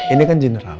ini kan general